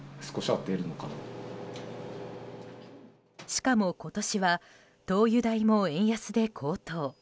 しかも今年は灯油代も円安で高騰。